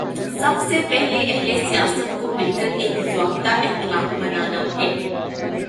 سب سے پہلے اہل سیاست کو مل کر ایک ضابطۂ اخلاق بنانا ہے۔